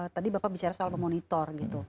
tadi bapak bicara soal memonitor gitu